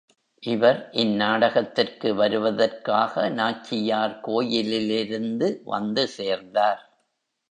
இவர் இந்நாடகத்திற்கு வருவதற்காக, நாச்சியார் கோயிலிலிருந்து வந்து சேர்ந்தார்.